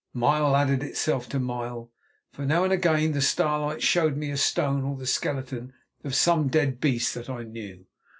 Mile added itself to mile, for now and again the starlight showed me a stone or the skeleton of some dead beast that I knew.